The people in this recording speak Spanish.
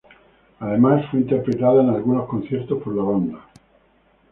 Además, fue interpretada en algunos conciertos por la banda.